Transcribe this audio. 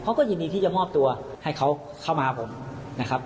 เขาก็ยินดีที่จะมอบตัวให้เขาเข้ามาผมนะครับ